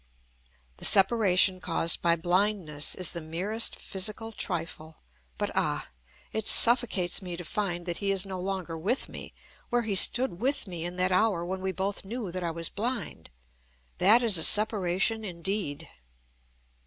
The separation caused by blindness is the merest physical trifle. But, ah! it suffocates me to find that he is no longer with me, where he stood with me in that hour when we both knew that I was blind. That is a separation indeed!